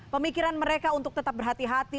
pemikiran mereka untuk tetap berhati hati